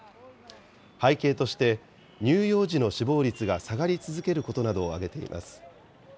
背景として、乳幼児の死亡率が下がり続けることなどを挙げています。